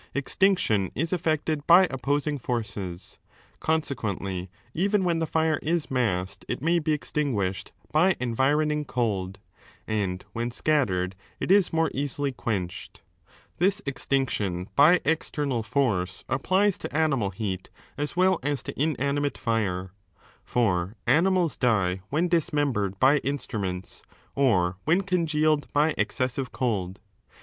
Kxtinction is effected by opposing s I forces, Consequently even when the fire is massed it may I be extinguished by environing cold, and when scattered it more easily quenched. This extinction by external I force applies to animal heat as well as to inanimate fira I For animals die when dismembered by instruments or I when congealed by excessive cold.